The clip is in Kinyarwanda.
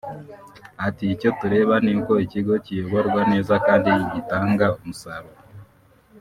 ati “icyo tureba ni uko ikigo kiyoborwa neza kandi gitanga umusaruro